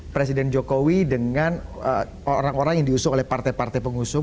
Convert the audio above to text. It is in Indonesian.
presiden jokowi dengan orang orang yang diusung oleh partai partai pengusung